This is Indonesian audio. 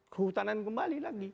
kehutanan kembali lagi